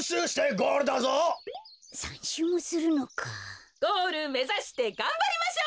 ゴールめざしてがんばりましょう！